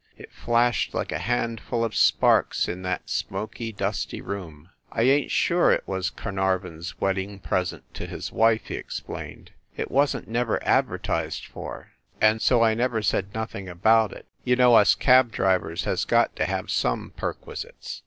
It flashed like a handful of sparks in that smoky, dusty room. f "I ain t sure it was Carnarvon s wedding present to his wife," he explained. "It wasn t never advertised for, and so I never said nothing about it. You know us cab drivers has got to have some perquisites."